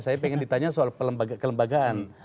saya ingin ditanya soal kelembagaan